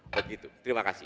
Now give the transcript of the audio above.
begitu terima kasih